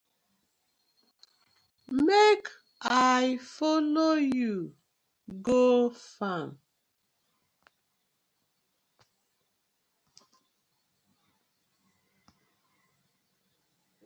Mek I follo you go fam.